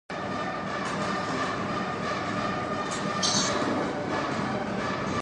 The Tonga plate is seismically very active and is rotating clockwise.